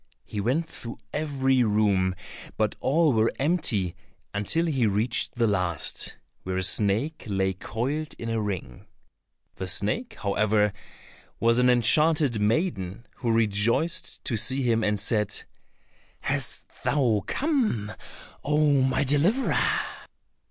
He went through every room, but all were empty until he reached the last, where a snake lay coiled in a ring. The snake, however, was an enchanted maiden, who rejoiced to see him, and said, "Hast thou come, oh, my deliverer?